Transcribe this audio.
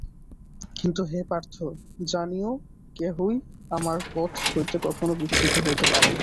কিন্তু হে পার্থ, জানিও কেহই আমার পথ হইতে কখনও বিচ্যুত হইতে পারে না।